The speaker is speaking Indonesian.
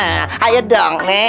aduh aneh bega dong nek